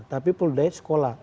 tapi pool day sekolah